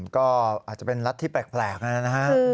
ก็อาจจะเป็นรัฐที่แปลกนะฮะ